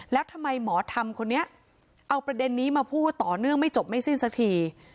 แล้วทำไมหมอธรรมคนนี้เอาประเด็นนี้มาพูดต่อเนื่องไม่จบไม่สิ้นสักที